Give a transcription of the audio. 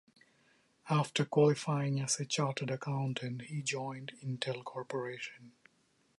After qualifying as a chartered accountant, he joined Intel Corporation.